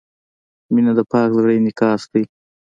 • مینه د پاک زړۀ انعکاس دی.